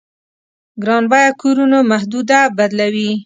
ګران بيه کورونو محدوده بدلوي.